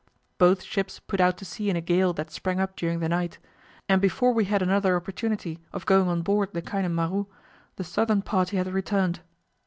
Both ships put out to sea in a gale that sprang up during the night, and before we had another opportunity of going on board the Kainan Maru the southern party had returned.